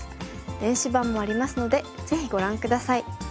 電子版もありますのでぜひご覧下さい。